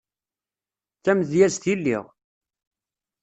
D tamedyazt i lliɣ.